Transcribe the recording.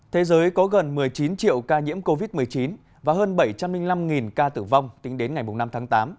thế giới có gần một mươi chín triệu ca nhiễm covid một mươi chín và hơn bảy trăm linh năm ca tử vong tính đến ngày năm tháng tám